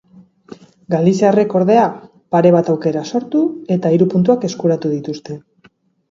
Galiziarrek, ordea, pare bat aukera sortu eta hiru puntuak eskuratu dituzte.